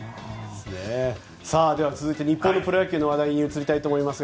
続いて日本のプロ野球の話題に移ります。